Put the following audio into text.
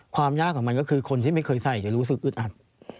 ความยากของมันก็คือคนที่ไม่เคยใส่จะรู้สึกอึดอัด